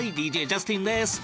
ＤＪジャスティンです。